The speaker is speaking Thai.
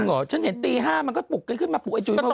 จริงเหรอฉันเห็นตี๕มันก็ปลุกกันขึ้นมาปลุกไอ้จุ๋ยมาวิ่ง